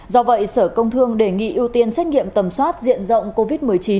do vậy sở công thương đề nghị ưu tiên xét nghiệm tầm soát diện rộng covid một mươi chín